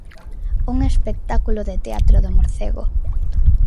Un espectáculo de Teatro do Morcego.